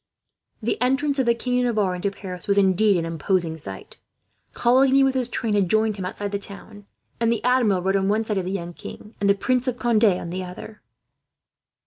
The entrance of the King of Navarre into Paris was, indeed, an imposing sight. Coligny with his train had joined him outside the town, and the Admiral rode on one side of the young king, and the Prince of Conde on the other.